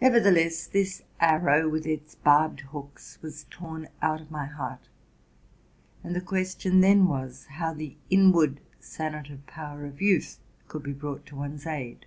Nevertheless, this arrow with its barbed hooks was torn out of my heart; and the question then was, how the inward sanative power of youth could be brought to one's aid?